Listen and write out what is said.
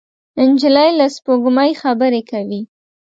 نجلۍ له سپوږمۍ خبرې کوي.